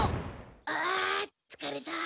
あつかれた。